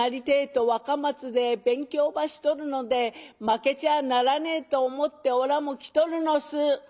てえと若松で勉強ばしとるので負けちゃあならねえと思っておらも来とるのす」。